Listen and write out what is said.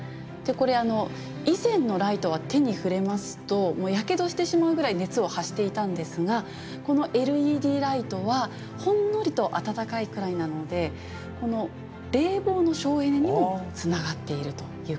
これ以前のライトは手に触れますとやけどしてしまうぐらい熱を発していたんですがこのＬＥＤライトはほんのりと温かいくらいなので冷房の省エネにもつながっているということなんです。